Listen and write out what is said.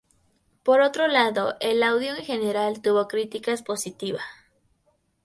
Por otro lado, el audio en general tuvo críticas positiva.